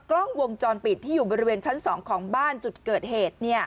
กล้องวงจรปิดที่อยู่บริเวณชั้น๒ของบ้านจุดเกิดเหตุ